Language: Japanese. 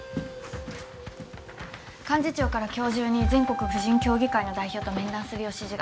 幹事長から今日中に全国婦人協議会の代表と面談するよう指示が。